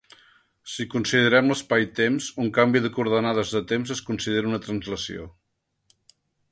Si considerem l'espaitemps, un canvi de coordenades de temps es considera una translació.